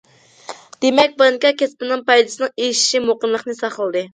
دېمەك، بانكا كەسپىنىڭ پايدىسىنىڭ ئېشىشى مۇقىملىقنى ساقلىدى.